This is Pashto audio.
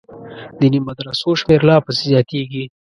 دیني مدرسو شمېر لا پسې زیاتېږي.